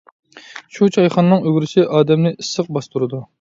شۇ چايخانىنىڭ ئۈگرىسى ئادەمنى ئىسسىق باستۇرىدۇ.